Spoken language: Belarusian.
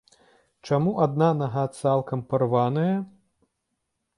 Чаму адна нага цалкам парваная?